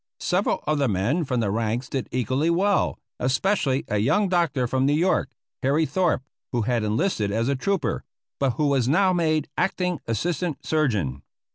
Several of the men from the ranks did equally well, especially a young doctor from New York, Harry Thorpe, who had enlisted as a trooper, but who was now made acting assistant surgeon.